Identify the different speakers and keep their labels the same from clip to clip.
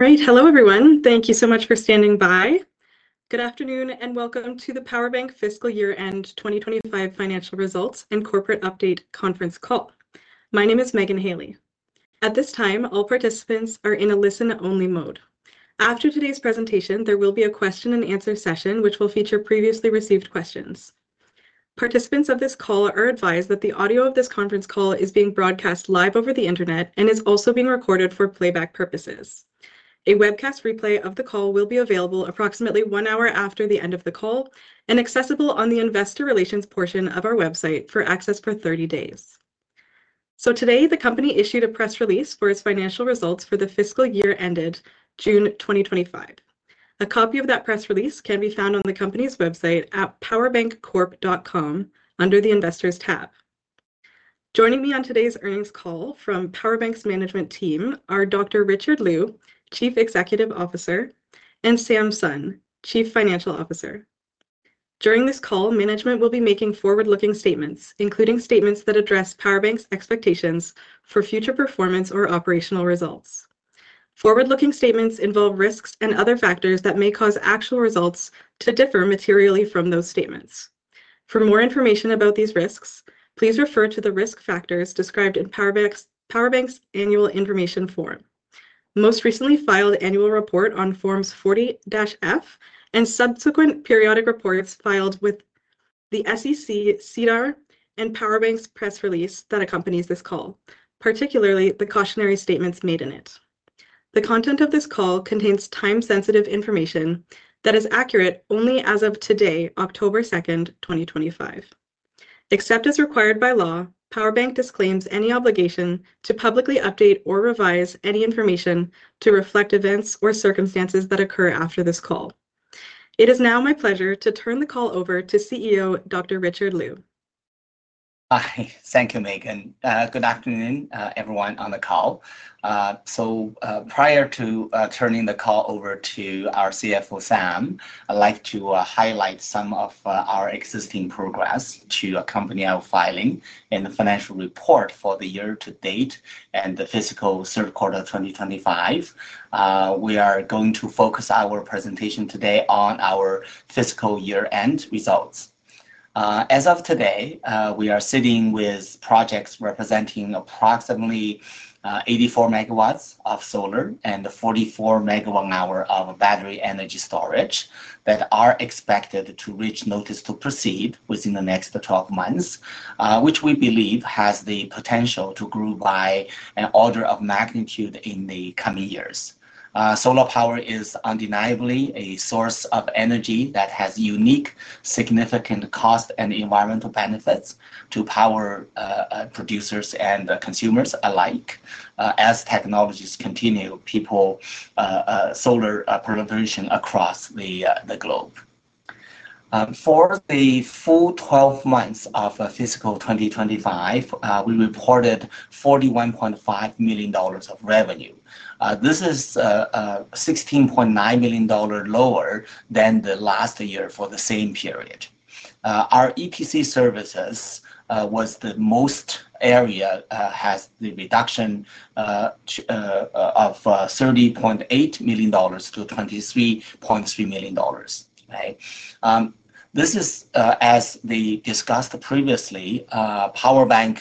Speaker 1: Alright, hello everyone. Thank you so much for standing by. Good afternoon and welcome to the PowerBank Fiscal Year End 2025 Financial Results and Corporate Update Conference Call. My name is Megan Haley. At this time, all participants are in a listen-only mode. After today's presentation, there will be a question and answer session which will feature previously received questions. Participants of this call are advised that the audio of this conference call is being broadcast live over the internet and is also being recorded for playback purposes. A webcast replay of the call will be available approximately one hour after the end of the call and accessible on the Investor Relations portion of our website for access for 30 days. Today, the company issued a press release for its financial results for the fiscal year ended June 2025. A copy of that press release can be found on the company's website at powerbancorp.com under the Investors tab. Joining me on today's earnings call from PowerBank's management team are Dr. Richard Lu, Chief Executive Officer, and Sam Sun, Chief Financial Officer. During this call, management will be making forward-looking statements, including statements that address PowerBank's expectations for future performance or operational results. Forward-looking statements involve risks and other factors that may cause actual results to differ materially from those statements. For more information about these risks, please refer to the risk factors described in PowerBank's annual information form, the most recently filed annual report on Forms 40-F and subsequent periodic reports filed with the SEC, CDAR, and PowerBank's press release that accompanies this call, particularly the cautionary statements made in it. The content of this call contains time-sensitive information that is accurate only as of today, October 2, 2025. Except as required by law, PowerBank disclaims any obligation to publicly update or revise any information to reflect events or circumstances that occur after this call. It is now my pleasure to turn the call over to CEO Dr. Richard Lu.
Speaker 2: Hi, thank you, Megan. Good afternoon, everyone, on the call. Prior to turning the call over to our CFO, Sam, I'd like to highlight some of our existing progress to accompany our filing in the financial report for the year to date and the fiscal third quarter 2025. We are going to focus our presentation today on our fiscal year-end results. As of today, we are sitting with projects representing approximately 84 MW of solar and 44 MW-hour of battery storage that are expected to reach notice to proceed within the next 12 months, which we believe has the potential to grow by an order of magnitude in the coming years. Solar power is undeniably a source of energy that has unique, significant cost and environmental benefits to power producers and consumers alike. As technologies continue, people, solar proliferation across the globe. For the full 12 months of fiscal 2025, we reported 41.5 million dollars of revenue. This is 16.9 million dollar lower than last year for the same period. Our EPC services was the most area that has the reduction of 30.8 million dollars to 23.3 million dollars. Right? This is, as we discussed previously, PowerBank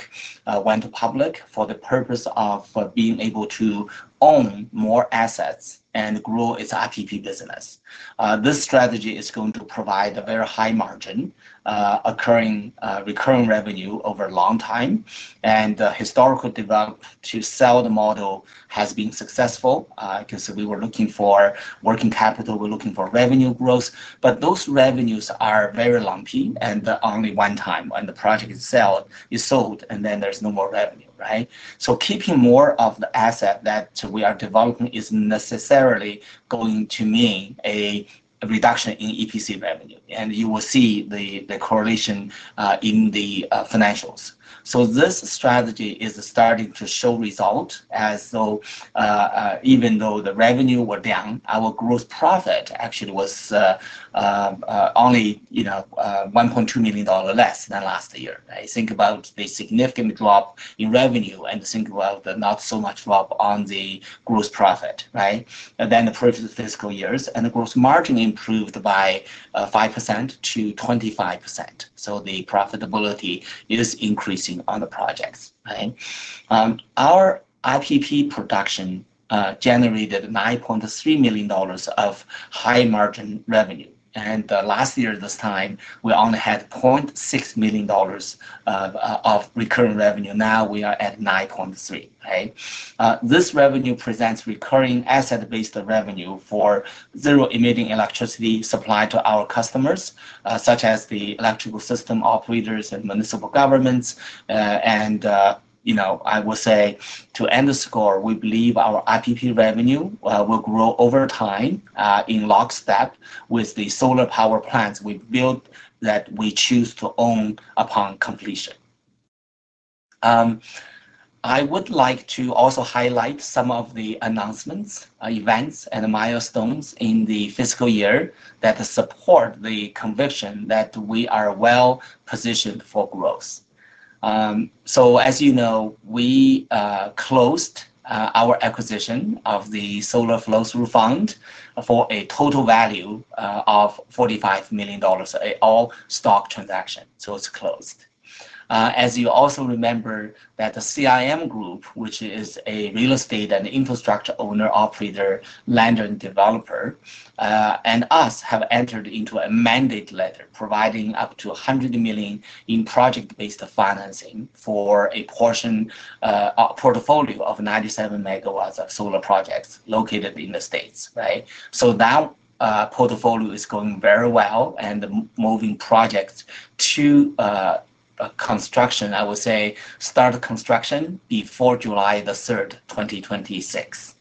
Speaker 2: went public for the purpose of being able to own more assets and grow its IPP business. This strategy is going to provide a very high margin, recurring revenue over a long time, and the historical development to sell the model has been successful because we were looking for working capital, we're looking for revenue growth, but those revenues are very lumpy and only one time when the project is sold and then there's no more revenue, right? Keeping more of the asset that we are developing is necessarily going to mean a reduction in EPC revenue, and you will see the correlation in the financials. This strategy is starting to show results as though even though the revenue was down, our gross profit actually was only 1.2 million dollar less than last year. I think about the significant drop in revenue and think about the not so much drop on the gross profit, right? The first fiscal year and the gross margin improved by 5% to 25%. The profitability is increasing on the projects. Our IPP production generated 9.3 million dollars of high-margin revenue, and last year at this time, we only had 0.6 million dollars of recurring revenue. Now we are at 9.3 million. This revenue presents recurring asset-based revenue for zero emitting electricity supply to our customers, such as the electrical system operators and municipal governments. I will say to underscore, we believe our IPP revenue will grow over time in lockstep with the solar power plants we build that we choose to own upon completion. I would like to also highlight some of the announcements, events, and milestones in the fiscal year that support the conviction that we are well positioned for growth. As you know, we closed our acquisition of the Solar Flow-Through Fund for a total value of 45 million dollars at all stock transactions, so it's closed. As you also remember, the CIM Group, which is a real estate and infrastructure owner-operator, land and developer, and us, have entered into a mandate letter providing up to 100 million in project-based financing for a portion portfolio of 97 MW of solar projects located in the United States. That portfolio is going very well and moving projects to construction. I would say start construction before July 3rd, 2026.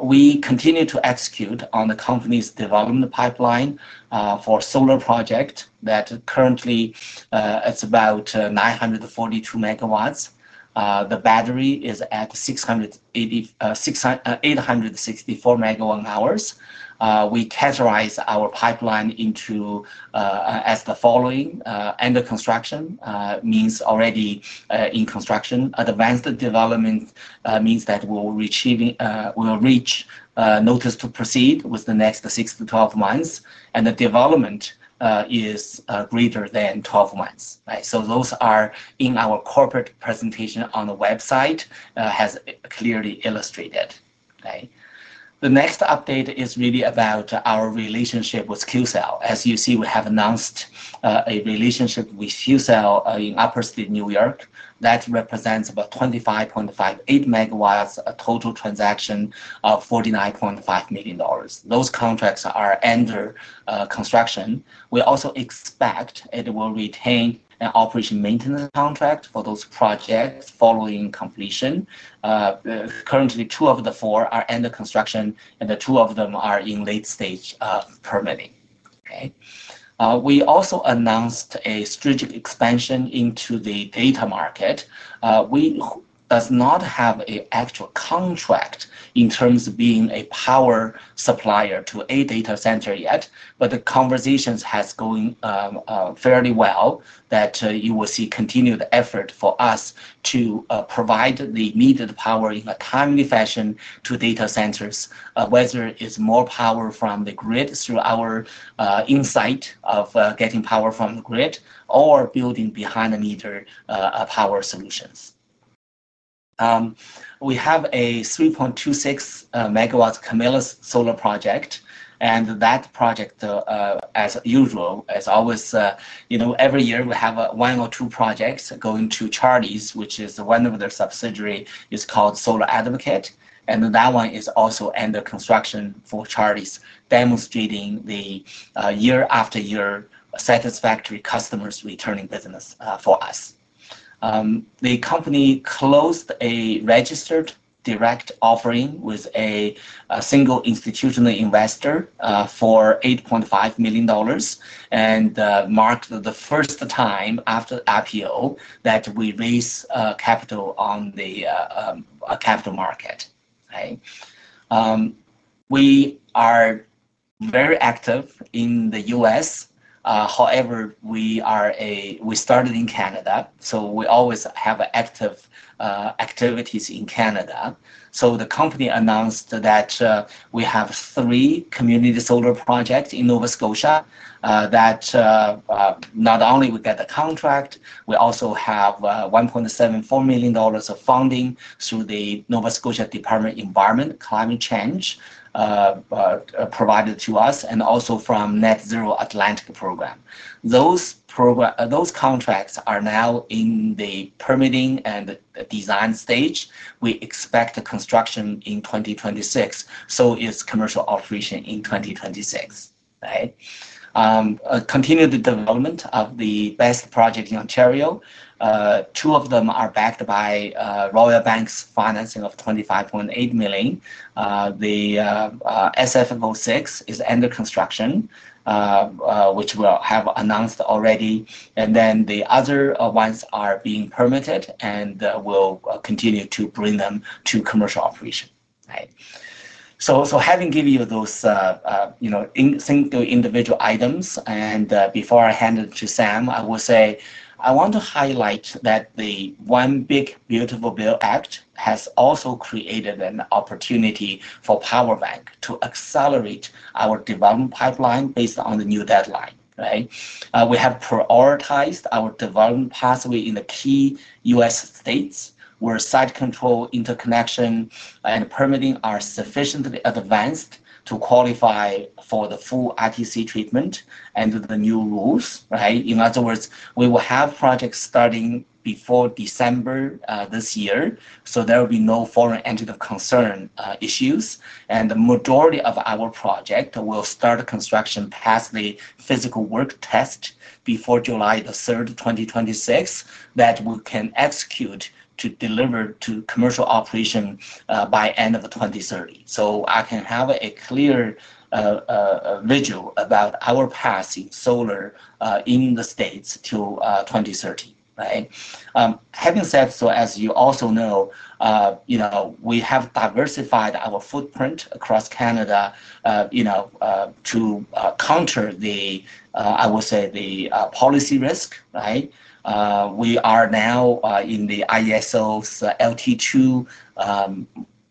Speaker 2: We continue to execute on the company's development pipeline for a solar project that currently is about 942 MW. The battery is at 864 MW-hours. We categorize our pipeline into the following: end of construction means already in construction, advanced development means that we'll reach notice to proceed within the next 6 to 12 months, and the development is greater than 12 months. Those are in our corporate presentation on the website, as clearly illustrated. The next update is really about our relationship with Qcells. As you see, we have announced a relationship with Qcells in Upstate New York. That represents about 25.58 MW, total transaction of 49.5 million dollars. Those contracts are under construction. We also expect we will retain an operation maintenance contract for those projects following completion. Currently, two of the four are under construction and two of them are in late stage permitting. We also announced a strategic expansion into the data market. We do not have an actual contract in terms of being a power supplier to a data center yet, but the conversations are going fairly well. You will see continued effort for us to provide the needed power in a timely fashion to data centers, whether it's more power from the grid through our insight of getting power from the grid or building behind-the-meter power solutions. We have a 3.26 MW Camillus solar project, and that project, as usual, as always, you know, every year we have one or two projects going to charities, which is one of the subsidiaries called Solar Advocate, and that one is also under construction for charities, demonstrating the year-after-year satisfactory customers returning business for us. The company closed a registered direct offering with a single institutional investor for 8.5 million dollars and marked the first time after the IPO that we raised capital on the capital market. We are very active in the U.S. However, we started in Canada, so we always have active activities in Canada. The company announced that we have three community solar projects in Nova Scotia that not only we get the contract, we also have 1.74 million dollars of funding through the Nova Scotia Department of Environment and Climate Change provided to us and also from the Net Zero Atlantic Program. Those contracts are now in the permitting and design stage. We expect construction in 2026, so it's commercial operation in 2026. Continued development of the best project in Ontario. Two of them are backed by Royal Bank's financing of 25.8 million. The SFF-06 is under construction, which we have announced already, and then the other ones are being permitted and we'll continue to bring them to commercial operation. Having given you those single individual items, and before I hand it to Sam, I will say I want to highlight that the One Big Beautiful Bill Act has also created an opportunity for PowerBank to accelerate our development pipeline based on the new deadline. We have prioritized our development possibly in the key U.S. states where site control, interconnection, and permitting are sufficiently advanced to qualify for the full ITC treatment and the new rules. In other words, we will have projects starting before December this year, so there will be no foreign entity concern issues, and the majority of our project will start construction past the physical work test before July 3rd, 2026, that we can execute to deliver to commercial operation by the end of 2030. I can have a clear visual about our policy solar in the States till 2030. Having said so, as you also know, you know we have diversified our footprint across Canada, you know, to counter the, I would say, the policy risk. We are now in the ISO's LT2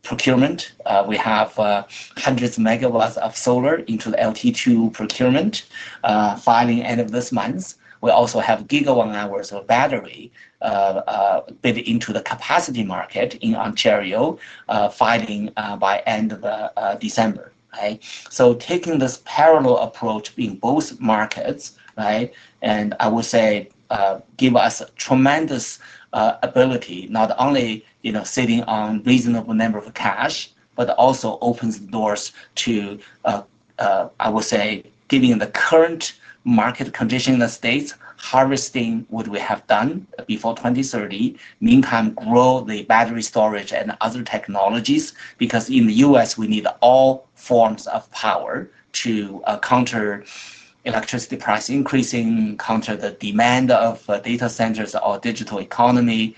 Speaker 2: procurement. We have hundreds of megawatts of solar into the LT2 procurement filing end of this month. We also have gigawatt-hours of battery bid into the capacity market in Ontario filing by the end of December. Taking this parallel approach in both markets, right, I would say gives us tremendous ability not only sitting on a reasonable number of cash, but also opens doors to, I would say, given the current market condition in the States, harvesting what we have done before 2030. In the meantime, grow the battery storage and other technologies because in the U.S. we need all forms of power to counter electricity price increasing, counter the demand of data centers or digital economy.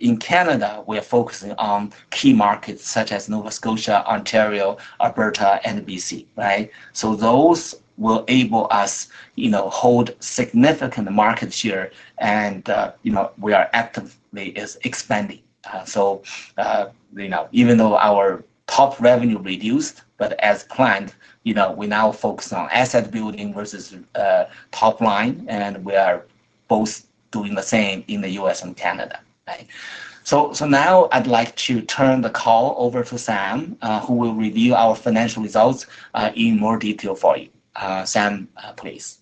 Speaker 2: In Canada, we are focusing on key markets such as Nova Scotia, Ontario, Alberta, and BC. Those will enable us to hold significant market share and we are actively expanding. Even though our top revenue reduced, as a client, you know, we now focus on asset building versus top line, and we are both doing the same in the U.S. and Canada. Now I'd like to turn the call over to Sam, who will review our financial results in more detail for you. Sam, please.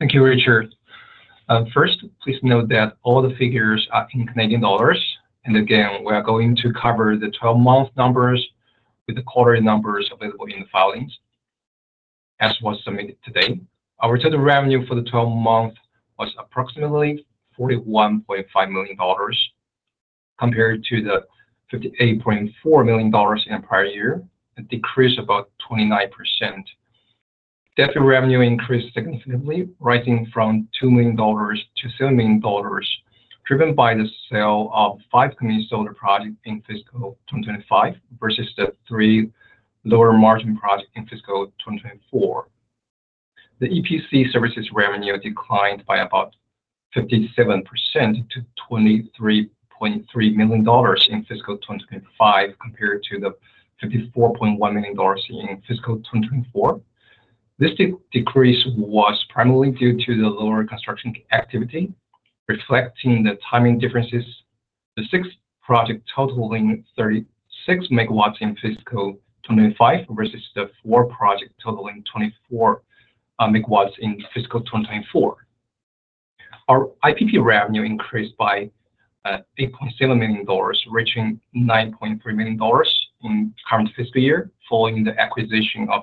Speaker 3: Thank you, Richard. First, please note that all the figures are in Canadian dollars, and again, we are going to cover the 12-month numbers with the quarterly numbers available in filings. That's what's submitted today. Our total revenue for the 12 months was approximately 41.5 million dollars compared to the 58.4 million dollars in the prior year, a decrease of about 29%. Debt to revenue increased significantly, rising from 2 million dollars to 7 million dollars, driven by the sale of five community solar projects in fiscal 2025 versus the three lower margin projects in fiscal 2024. The EPC services revenue declined by about 57% to 23.3 million dollars in fiscal 2025 compared to the 54.1 million dollars in fiscal 2024. This decrease was primarily due to the lower construction activity, reflecting the timing differences. The sixth project totaling 36 MW in fiscal 2025 versus the fourth project totaling 24 MW in fiscal 2024. Our IPP revenue increased by 8.7 million dollars, reaching 9.3 million dollars in the current fiscal year following the acquisition of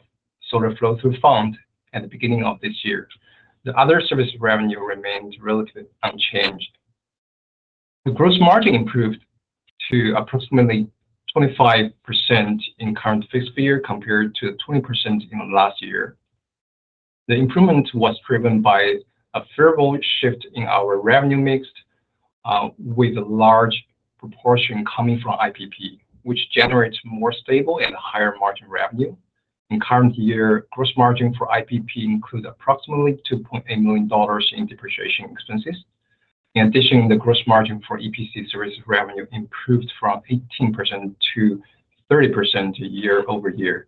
Speaker 3: Solar Flow-Through Fund at the beginning of this year. The other service revenue remained relatively unchanged. The gross margin improved to approximately 25% in the current fiscal year compared to 20% in the last year. The improvement was driven by a favorable shift in our revenue mix with a large proportion coming from IPP, which generates more stable and higher margin revenue. In the current year, gross margin for IPP includes approximately 2.8 million dollars in depreciation expenses. In addition, the gross margin for EPC service revenue improved from 18% to 30% year over year.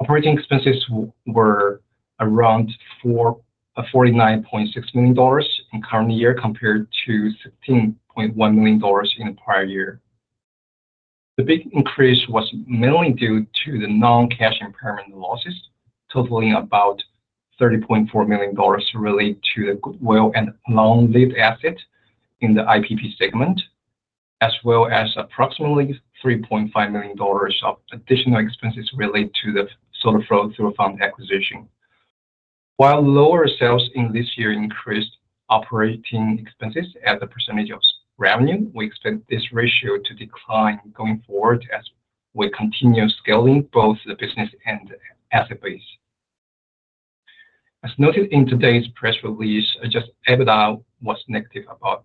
Speaker 3: Operating expenses were around 49.6 million dollars in the current year compared to 16.1 million dollars in the prior year. The big increase was mainly due to the non-cash impairment losses, totaling about 30.4 million dollars related to the well and long-lived assets in the IPP segment, as well as approximately 3.5 million dollars of additional expenses related to the Solar Flow-Through Fund acquisition. While lower sales in this year increased operating expenses as a percentage of revenue, we expect this ratio to decline going forward as we continue scaling both the business and asset base. As noted in today's press release, I just added out what's negative about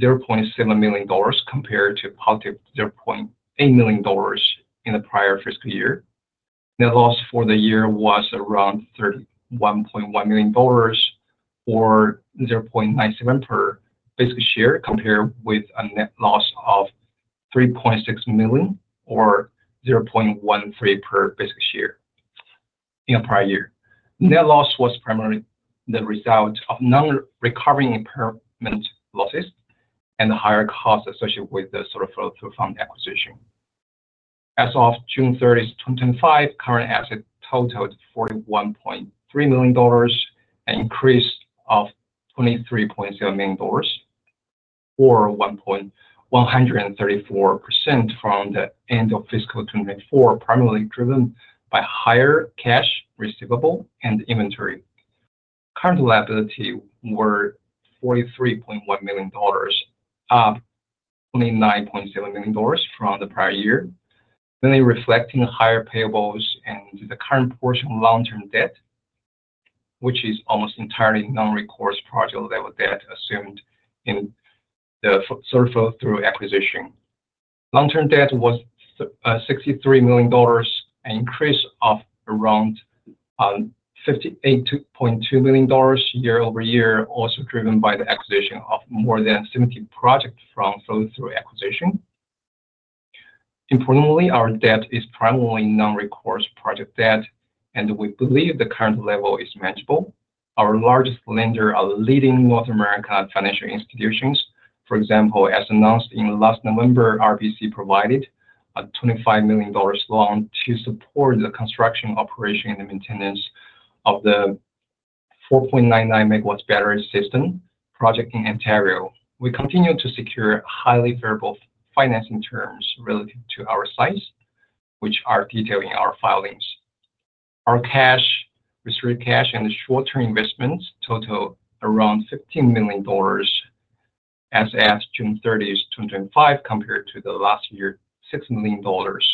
Speaker 3: 0.7 million dollars compared to positive 0.8 million dollars in the prior fiscal year. Net loss for the year was around 31.1 million dollars or 0.97 per basic share compared with a net loss of 3.6 million or 0.13 per basic share in the prior year. Net loss was primarily the result of non-recourse impairment losses and the higher cost associated with the Solar Flow-Through Fund acquisition. As of June 30, 2025, current assets totaled CAD 41.3 million and increased to only CAD 3.7 million or 1.134% from the end of fiscal year 2024, primarily driven by higher cash, receivable, and inventory. Current liability was 43.1 million dollars, up to only 9.7 million dollars from the prior year, mainly reflecting higher payables and the current portion of long-term debt, which is almost entirely non-recourse project-level debt assumed in the Solar Flow-Through Fund acquisition. Long-term debt was 63 million dollars, an increase of around 58.2 million dollars year over year, also driven by the acquisition of more than 70 projects from the Solar Flow-Through Fund acquisition. Importantly, our debt is primarily non-recourse project debt, and we believe the current level is manageable. Our largest lenders are leading North America financial institutions. For example, as announced last November, RBC provided a 25 million dollars loan to support the construction, operation, and maintenance of the 4.99 MW battery storage system project in Ontario. We continue to secure highly variable financing terms relative to our size, which are detailed in our filings. Our cash, restricted cash, and short-term investments total around 15 million dollars as of June 30, 2025, compared to last year's 6 million dollars.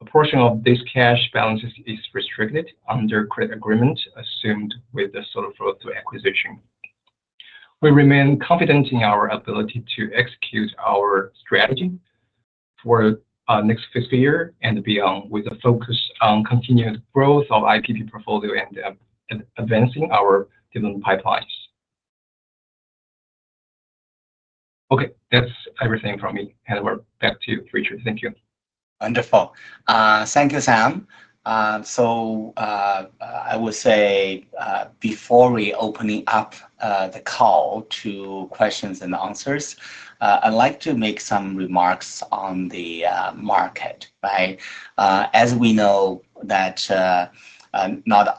Speaker 3: A portion of this cash balance is restricted under the credit agreement assumed with the Solar Flow-Through Fund acquisition. We remain confident in our ability to execute our strategy for the next fiscal year and beyond, with a focus on continued growth of the IPP portfolio and advancing our development pipelines. Okay, that's everything from me, and we're back to you, Richard. Thank you.
Speaker 2: Wonderful. Thank you, Sam. I will say, before we open up the call to questions and answers, I'd like to make some remarks on the market. As we know, not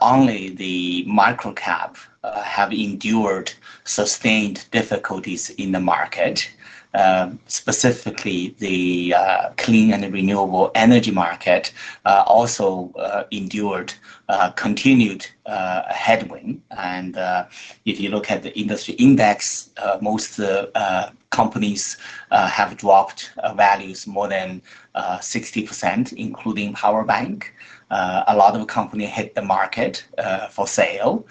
Speaker 2: only the microcap have endured sustained difficulties in the market, specifically the clean and renewable energy market also endured continued headwind. If you look at the industry index, most companies have dropped values more than 60%, including PowerBank. A lot of companies hit the market for sale.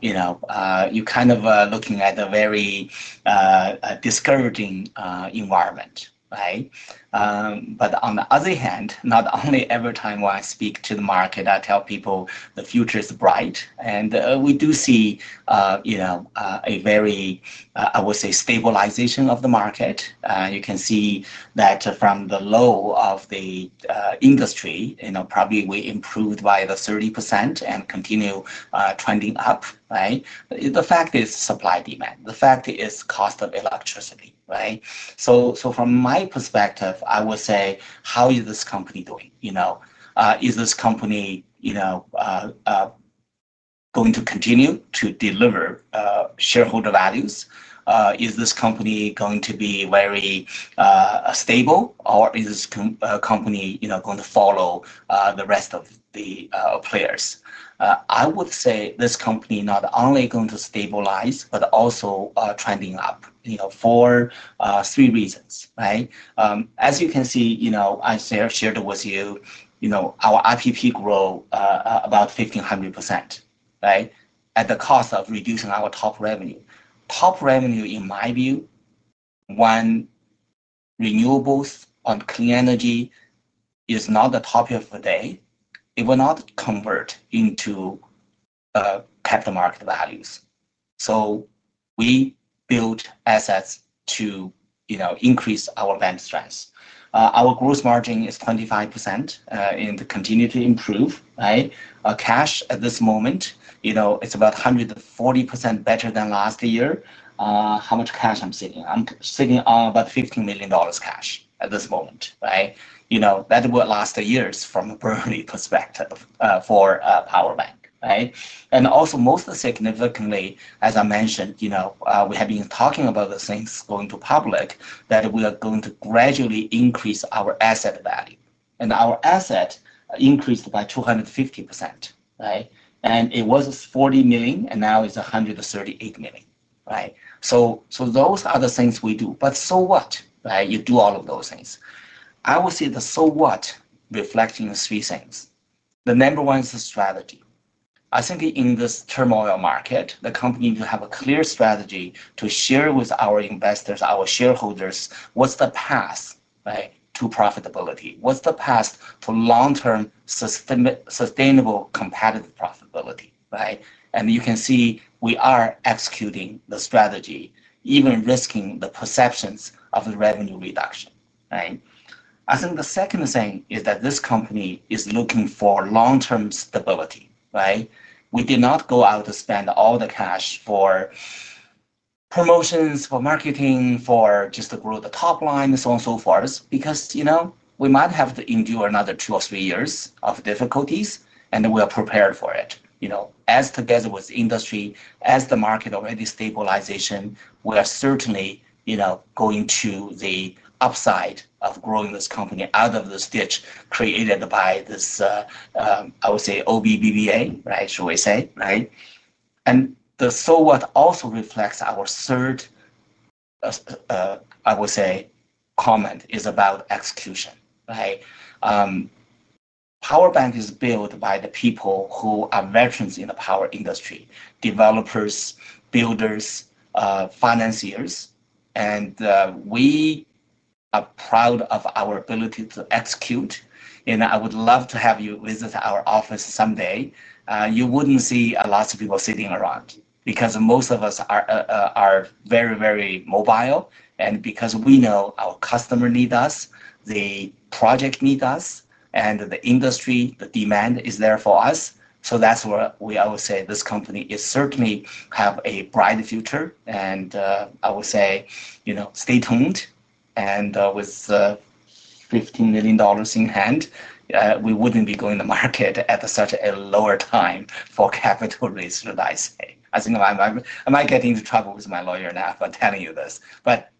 Speaker 2: You're kind of looking at a very discouraging environment. On the other hand, not only every time when I speak to the market, I tell people the future is bright, and we do see a very, I would say, stabilization of the market. You can see that from the low of the industry, probably we improved by 30% and continue trending up. The fact is supply-demand. The fact is cost of electricity. From my perspective, I will say, how is this company doing? Is this company going to continue to deliver shareholder values? Is this company going to be very stable, or is this company going to follow the rest of the players? I would say this company is not only going to stabilize, but also trending up for three reasons. As you can see, I shared with you, our IPP grew about 1,500% at the cost of reducing our top revenue. Top revenue, in my view, when renewables and clean energy are not the topic of the day, it will not convert into capital market values. We build assets to increase our bank strength. Our gross margin is 25% and continues to improve. Our cash at this moment is about 140% better than last year. How much cash I'm sitting? I'm sitting on about 15 million dollars cash at this moment. That will last years from a burn rate perspective for PowerBank. Also, most significantly, as I mentioned, we have been talking about the things going to public that we are going to gradually increase our asset value. Our asset increased by 250%. It was 40 million, and now it's 138 million. Those are the things we do. So what? You do all of those things. I will say the so what reflecting three things. The number one is the strategy. I think in this turmoil market, the company needs to have a clear strategy to share with our investors, our shareholders, what's the path to profitability? What's the path for long-term sustainable competitive profitability? You can see we are executing the strategy, even risking the perceptions of the revenue reduction. I think the second thing is that this company is looking for long-term stability. We did not go out to spend all the cash for promotions, for marketing, for just to grow the top line, so on and so forth, because we might have to endure another two or three years of difficulties, and we are prepared for it. Together with industry, as the market already stabilizes, we are certainly going to the upside of growing this company out of the stitch created by this, I would say, OBBBA, right? Shall we say? The so what also reflects our third, I would say, comment is about execution. PowerBank is built by the people who are veterans in the power industry: developers, builders, financiers, and we are proud of our ability to execute. I would love to have you visit our office someday. You wouldn't see lots of people sitting around because most of us are very, very mobile, and because we know our customers need us, the project needs us, and the industry, the demand is there for us. That's why I would say this company certainly has a bright future, and I would say, stay tuned. With 15 million dollars in hand, we wouldn't be going to market at such a lower time for capital raise, should I say? I think I might get into trouble with my lawyer now for telling you this, but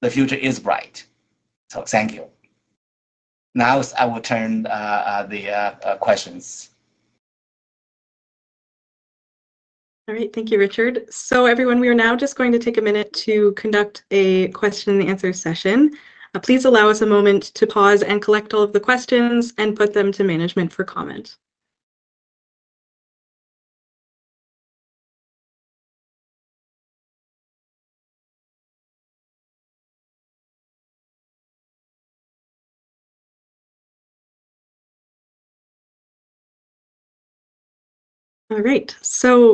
Speaker 2: the future is bright. Thank you. Now I will turn to the questions.
Speaker 1: All right, thank you, Richard. Everyone, we are now just going to take a minute to conduct a question and answer session. Please allow us a moment to pause and collect all of the questions and put them to management for comment. All right,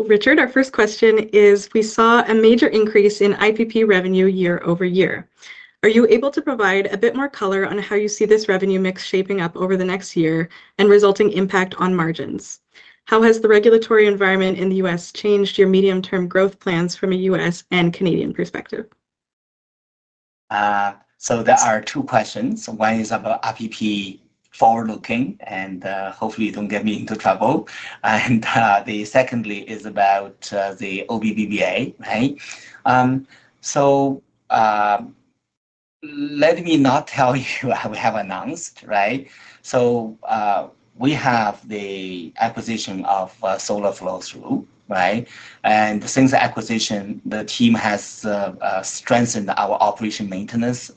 Speaker 1: Richard, our first question is, we saw a major increase in IPP revenue year over year. Are you able to provide a bit more color on how you see this revenue mix shaping up over the next year and resulting impact on margins? How has the regulatory environment in the U.S. changed your medium-term growth plans from a U.S. and Canadian perspective?
Speaker 2: There are two questions. One is about IPP forward-looking, and hopefully you don't get me into trouble. The second is about the OBBBA. Let me not tell you what we have announced. Right? We have the acquisition of Solar Flow-Through Fund. Since the acquisition, the team has strengthened our operation maintenance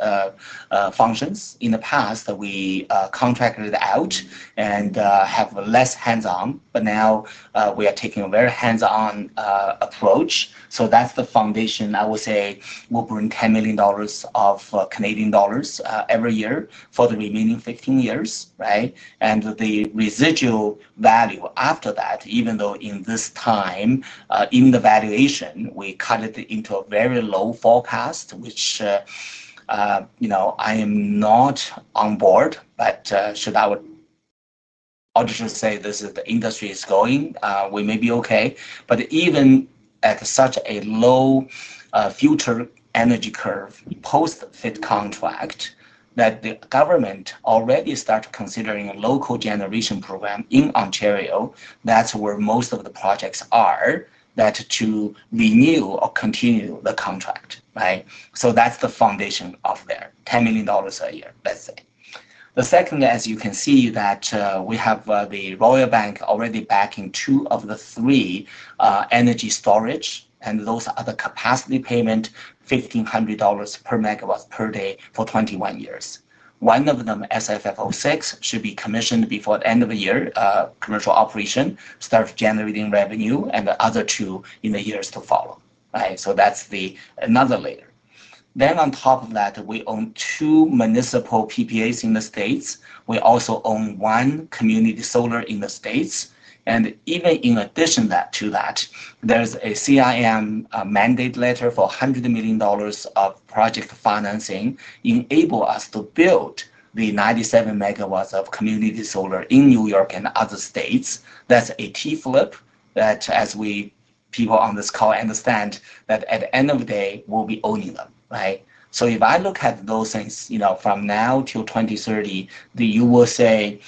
Speaker 2: functions. In the past, we contracted out and had less hands-on, but now we are taking a very hands-on approach. That's the foundation. I would say we'll bring 10 million dollars every year for the remaining 15 years. Right? The residual value after that, even though in this time, even the valuation, we cut it into a very low forecast, which, you know, I am not on board, but should I audition to say this is the industry is going, we may be okay. Even at such a low future energy curve post-fit contract that the government already started considering a local generation program in Ontario, that's where most of the projects are, to renew or continue the contract. Right? That's the foundation there, 10 million dollars a year, let's say. The second, as you can see, is that we have the Royal Bank already backing two of the three energy storage, and those are the capacity payment, 1,500 dollars per MW per day for 21 years. One of them, SFF-06, should be commissioned before the end of the year, commercial operation, start generating revenue, and the other two in the years to follow. Right? That's another layer. On top of that, we own two municipal PPAs in the States. We also own one community solar in the States. In addition to that, there's a CIM Group mandate letter for 100 million dollars of project financing to enable us to build the 97 MW of community solar in New York and other states. That's a T-flip that, as we people on this call understand, at the end of the day, we'll be owning them. Right? If I look at those things, from now till 2030, you will say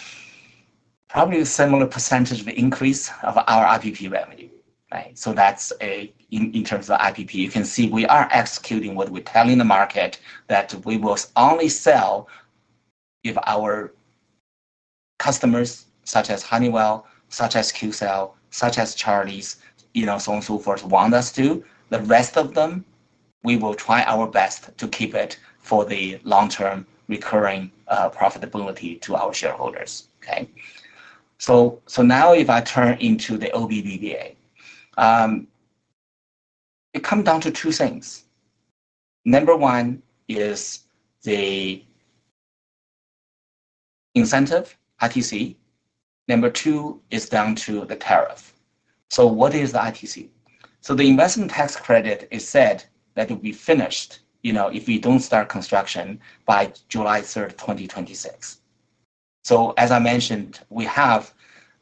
Speaker 2: probably a similar percentage of the increase of our IPP revenue. Right? In terms of IPP, you can see we are executing what we're telling the market, that we will only sell if our customers, such as Honeywell, such as Qcells, such as charities, and so on and so forth, want us to. The rest of them, we will try our best to keep it for the long-term recurring profitability to our shareholders. Okay? If I turn into the OBBBA, it comes down to two things. Number one is the incentive, ITC. Number two is down to the tariff. What is the ITC? The investment tax credit is said that we finished, you know, if we don't start construction by July 3rd, 2026. As I mentioned, we have,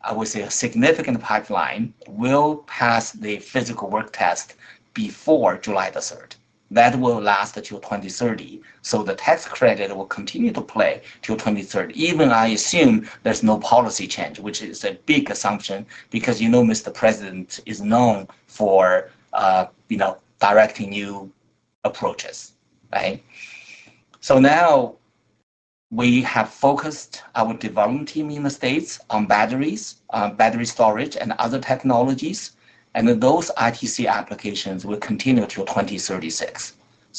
Speaker 2: I would say, a significant pipeline will pass the physical work test before July 3rd. That will last till 2030. The tax credit will continue to play till 2030, even I assume there's no policy change, which is a big assumption because, you know, Mr. President is known for, you know, directing new approaches. Right? Now we have focused our development team in the States on batteries, battery storage, and other technologies, and those ITC applications will continue till 2036.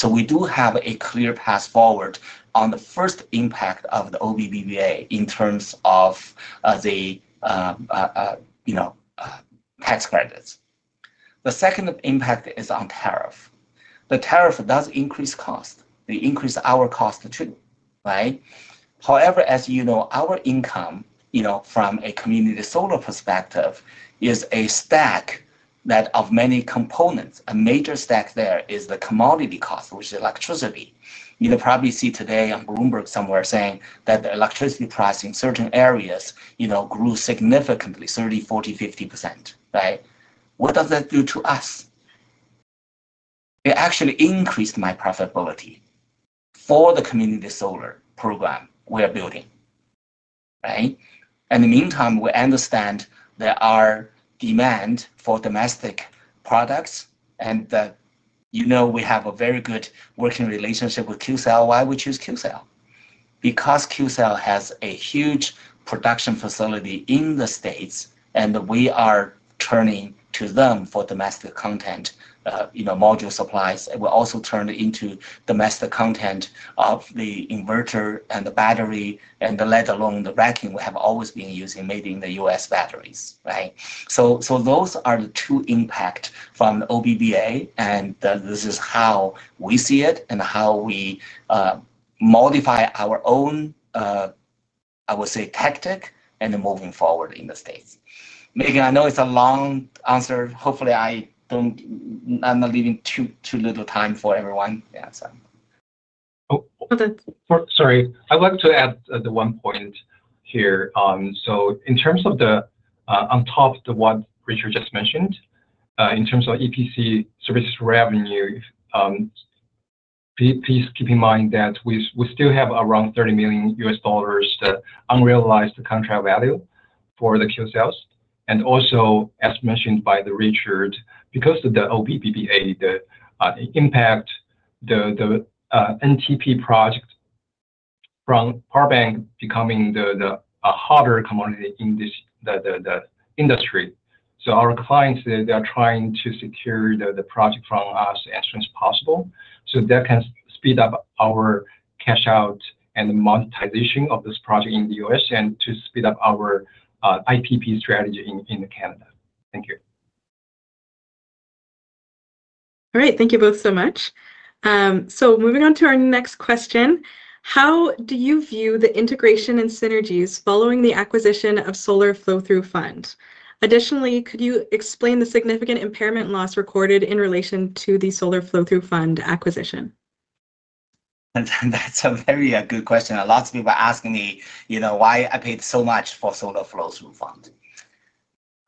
Speaker 2: We do have a clear path forward on the first impact of the OBBBA in terms of the tax credits. The second impact is on tariff. The tariff does increase cost. They increase our cost too. Right? However, as you know, our income, you know, from a community solar perspective is a stack that of many components. A major stack there is the commodity cost, which is electricity. You know, probably see today on Bloomberg somewhere saying that the electricity price in certain areas, you know, grew significantly, 30%, 40%, 50%. Right? What does that do to us? It actually increased my profitability for the community solar program we are building. Right? In the meantime, we understand there is demand for domestic products and that, you know, we have a very good working relationship with Qcells. Why we choose Qcells? Because Qcells has a huge production facility in the States and we are turning to them for domestic content, you know, module supplies. We also turn into domestic content of the inverter and the battery and let alone the racking we have always been using made in the U.S. batteries. Right? Those are the two impacts from the OBBBA and this is how we see it and how we modify our own, I would say, tactic and moving forward in the States. Again, I know it's a long answer. Hopefully, I don't, I'm not leaving too little time for everyone. Yeah, so.
Speaker 3: Sorry, I wanted to add the one point here. In terms of the, on top of what Richard just mentioned, in terms of EPC service revenue, please keep in mind that we still have around $30 million unrealized contract value for the Qcells. Also, as mentioned by Richard, because of the OBBBA, the impact, the NTP project from PowerBank becoming a harder commodity in this industry. Our clients are trying to secure the project from us as soon as possible so that can speed up our cash out and monetization of this project in the U.S. and to speed up our IPP strategy in Canada. Thank you.
Speaker 1: All right, thank you both so much. Moving on to our next question, how do you view the integration and synergies following the acquisition of Solar Flow-Through Fund? Additionally, could you explain the significant impairment loss recorded in relation to the Solar Flow-Through Fund acquisition?
Speaker 2: That's a very good question. A lot of people are asking me, you know, why I paid so much for Solar Flow-Through Fund.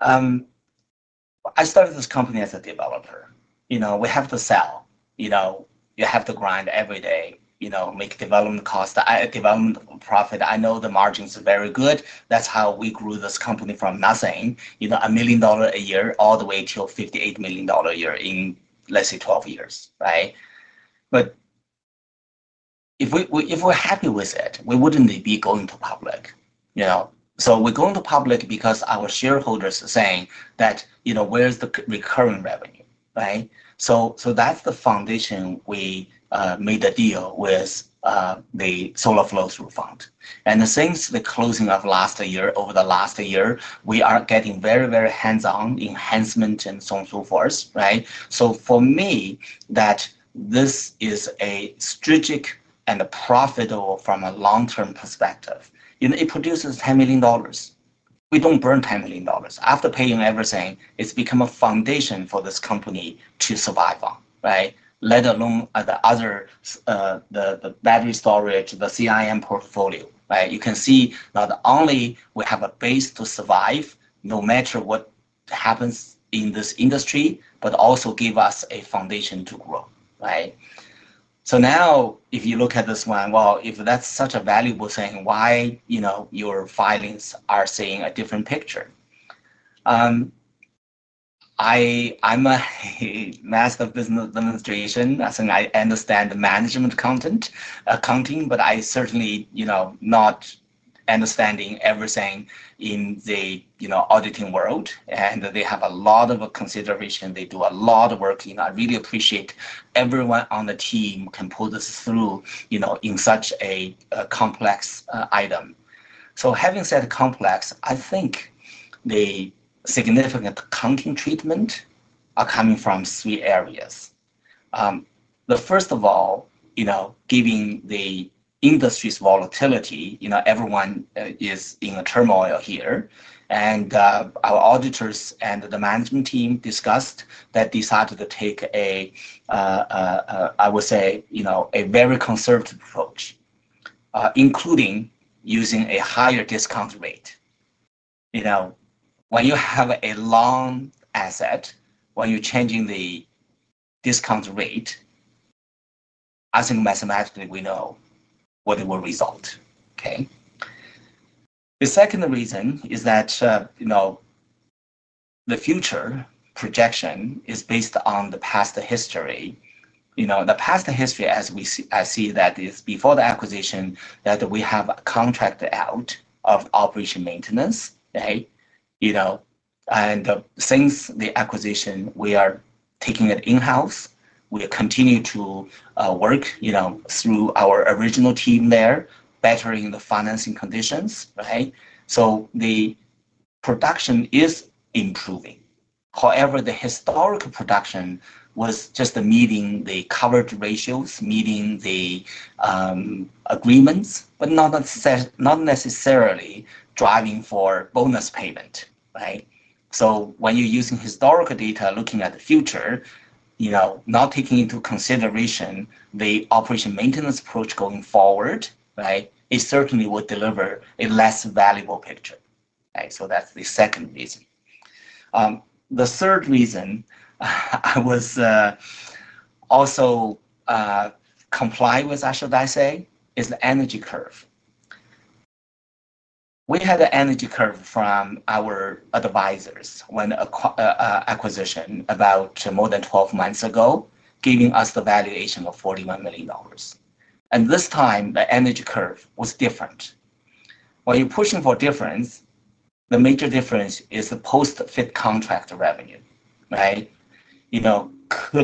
Speaker 2: I started this company as a developer. You know, we have to sell. You know, you have to grind every day, you know, make development costs, development profit. I know the margins are very good. That's how we grew this company from nothing, you know, 1 million dollar a year all the way to 58 million dollar a year in, let's say, 12 years. Right? If we're happy with it, we wouldn't be going to public. You know, we're going to public because our shareholders are saying that, you know, where's the recurring revenue? Right? That's the foundation we made a deal with the Solar Flow-Through Fund. Since the closing of last year, over the last year, we are getting very, very hands-on enhancement and so on and so forth. Right? For me, this is strategic and profitable from a long-term perspective. You know, it produces 10 million dollars. We don't burn 10 million dollars. After paying everything, it's become a foundation for this company to survive on. Right? Let alone the other, the battery storage, the CIM Group portfolio. Right? You can see not only we have a base to survive no matter what happens in this industry, but also give us a foundation to grow. Right? Now, if you look at this one, if that's such a valuable thing, why, you know, your filings are seeing a different picture? I'm a Master of Business Administration. I think I understand the management content, accounting, but I certainly, you know, not understand everything in the, you know, auditing world. They have a lot of consideration. They do a lot of working. I really appreciate everyone on the team can pull this through, you know, in such a complex item. Having said complex, I think the significant accounting treatment is coming from three areas. First of all, you know, given the industry's volatility, you know, everyone is in a turmoil here. Our auditors and the management team discussed that they decided to take a, I would say, you know, a very conservative approach, including using a higher discount rate. You know, when you have a long asset, when you're changing the discount rate, I think mathematically we know what it will result. Okay? The second reason is that, you know, the future projection is based on the past history. You know, the past history, as we see that is before the acquisition, that we have a contract out of operation maintenance. Okay? Since the acquisition, we are taking it in-house. We continue to work through our original team there, bettering the financing conditions. The production is improving. However, the historical production was just meeting the coverage ratios, meeting the agreements, but not necessarily driving for bonus payment. When you're using historical data, looking at the future, not taking into consideration the operation maintenance approach going forward, it certainly would deliver a less valuable picture. That's the second reason. The third reason was also compliance, I should say, is the energy curve. We had an energy curve from our advisors when acquisition about more than 12 months ago, giving us the valuation of 41 million dollars. This time, the energy curve was different. When you're pushing for difference, the major difference is the post-fit contract revenue. Could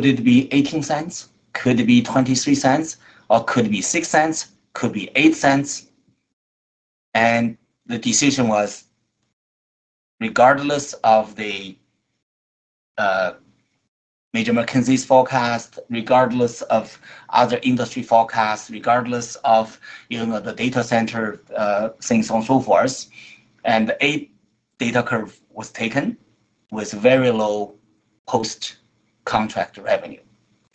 Speaker 2: it be 0.18? Could it be 0.23? Or could it be 0.06? Could it be 0.08? The decision was, regardless of the major McKinsey's forecast, regardless of other industry forecasts, regardless of the data center, things on and so forth, and the data curve was taken with very low post-contract revenue.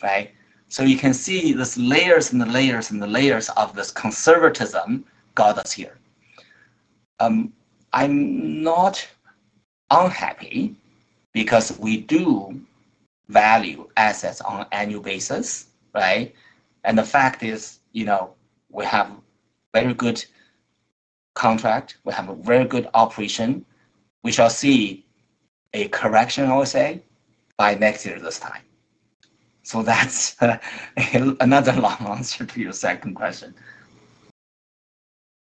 Speaker 2: You can see the layers and the layers and the layers of this conservatism got us here. I'm not unhappy because we do value assets on an annual basis. The fact is, we have a very good contract. We have a very good operation. We shall see a correction, I would say, by next year this time. That's another long answer to your second question.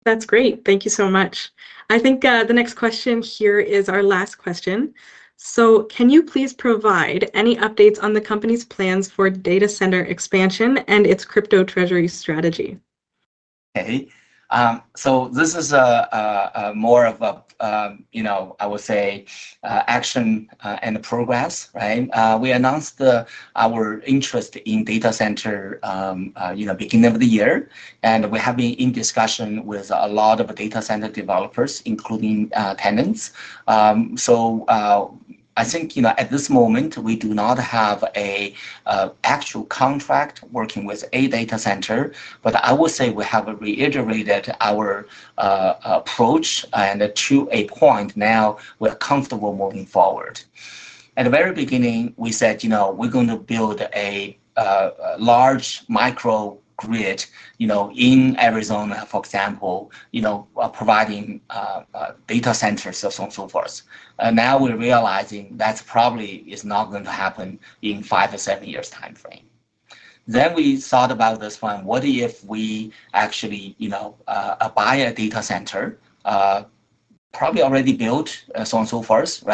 Speaker 1: That's great. Thank you so much. I think the next question here is our last question. Can you please provide any updates on the company's plans for data center expansion and its crypto treasury strategy?
Speaker 2: Okay. This is more of a, you know, I would say, action and progress. We announced our interest in data center in the beginning of the year, and we have been in discussion with a lot of data center developers, including tenants. I think, you know, at this moment, we do not have an actual contract working with a data center, but I will say we have reiterated our approach and to a point now we are comfortable moving forward. At the very beginning, we said, you know, we're going to build a large microgrid, you know, in Arizona, for example, providing data centers, so on and so forth. Now we're realizing that probably is not going to happen in five to seven years' timeframe. We thought about this one, what if we actually, you know, buy a data center, probably already built, so on and so forth,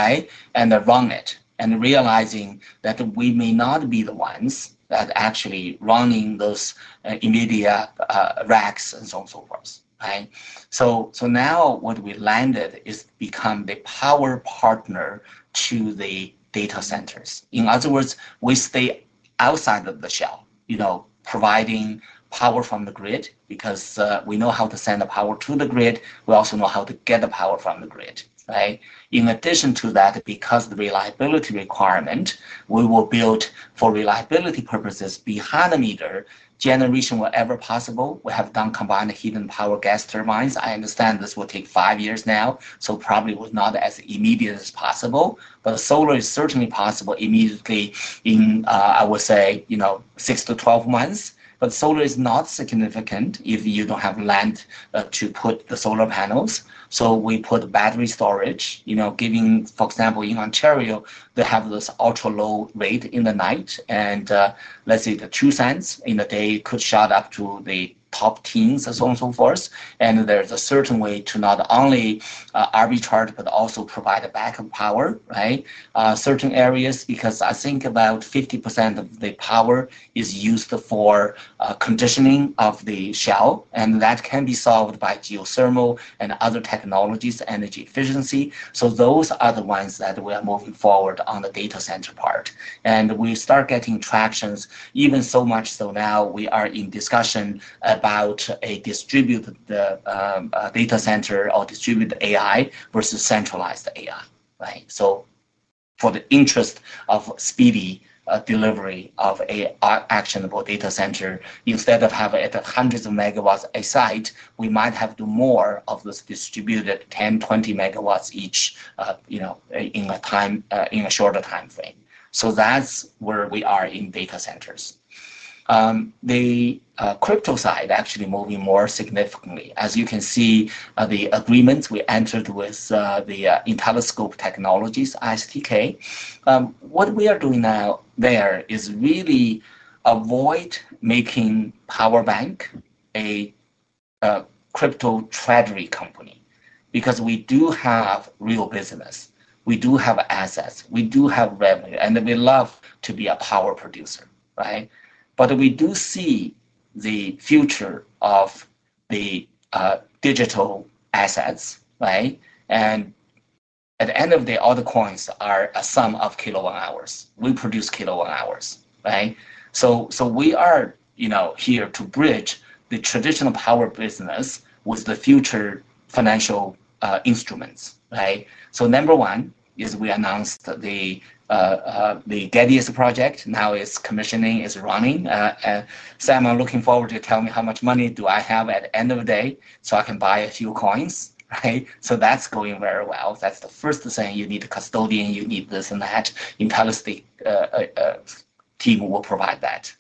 Speaker 2: and run it, and realizing that we may not be the ones that are actually running those NVIDIA racks and so on and so forth. Now what we landed is become the power partner to the data centers. In other words, we stay outside of the shell, providing power from the grid because we know how to send the power to the grid. We also know how to get the power from the grid. In addition to that, because of the reliability requirement, we will build for reliability purposes behind the meter, generation wherever possible. We have done combined heat and power gas turbines. I understand this will take five years now, so probably it was not as immediate as possible, but solar is certainly possible immediately in, I would say, six to twelve months. Solar is not significant if you don't have land to put the solar panels. We put battery storage, giving, for example, in Ontario, they have this ultra-low rate in the night, and let's say the 0.02 in the day could shot up to the top teens, so on and so forth. There's a certain way to not only arbitrage, but also provide backup power, certain areas, because I think about 50% of the power is used for conditioning of the shell, and that can be solved by geothermal and other technologies, energy efficiency. Those are the ones that we are moving forward on the data center part. We start getting tractions, even so much so now we are in discussion about a distributed data center or distributed AI versus centralized AI. For the interest of speedy delivery of an actionable data center, instead of having hundreds of megawatts a site, we might have to do more of this distributed 10 MW, 20 MW each in a shorter timeframe. That is where we are in data centers. The crypto side is actually moving more significantly. As you can see, the agreements we entered with IntelliScope Technologies, ISTK, what we are doing now there is really to avoid making PowerBank a crypto treasury company because we do have real business. We do have assets. We do have revenue, and we love to be a power producer. Right? We do see the future of the digital assets. At the end of the day, all the coins are a sum of kilowatt-hours. We produce kilowatt-hours. We are here to bridge the traditional power business with the future financial instruments. Number one is we announced the Geddes project. Now its commissioning is running. Sam, I'm looking forward to you telling me how much money I have at the end of the day so I can buy a few coins. That is going very well. That is the first thing you need: custodian, you need this and that. IntelliScope team will provide that.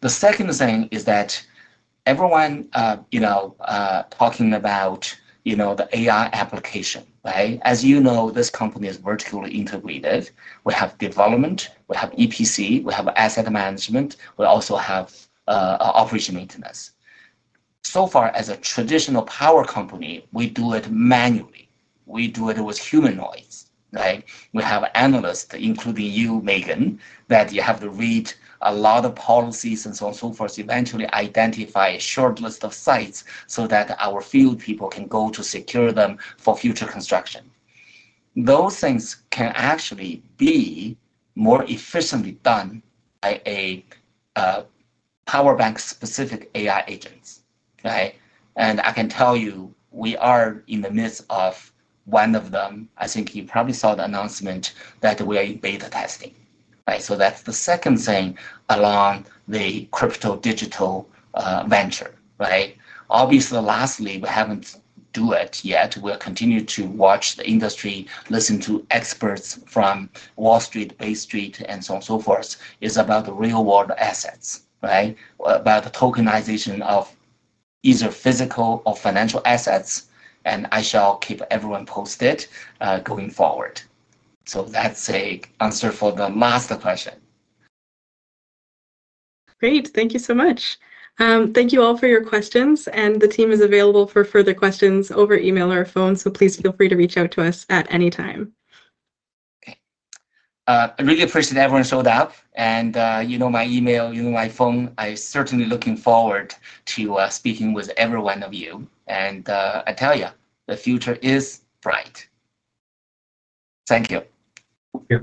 Speaker 2: The second thing is that everyone is talking about the AI application. As you know, this company is vertically integrated. We have development, we have EPC) services, we have asset management, we also have operation maintenance. So far, as a traditional power company, we do it manually. We do it with human noise. We have analysts, including you, Megan, that have to read a lot of policies and so on and so forth to eventually identify a short list of sites so that our field people can go to secure them for future construction. Those things can actually be more efficiently done by a PowerBank-specific AI agent. I can tell you, we are in the midst of one of them. I think you probably saw the announcement that we are in beta testing. That is the second thing along the crypto digital venture. Obviously, lastly, we have not done it yet. We will continue to watch the industry, listen to experts from Wall Street, Bay Street, and so on and so forth. It is about real-world assets, about the tokenization of either physical or financial assets. I shall keep everyone posted going forward. That is the answer for the last question.
Speaker 1: Great. Thank you so much. Thank you all for your questions, and the team is available for further questions over email or phone. Please feel free to reach out to us at any time.
Speaker 2: I really appreciate everyone showed up, and you know my email, you know my phone. I'm certainly looking forward to speaking with every one of you. I tell you, the future is bright. Thank you.
Speaker 3: Thank you.